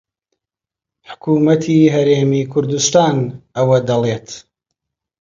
حکوومەتی هەرێمی کوردستان ئەوە دەڵێت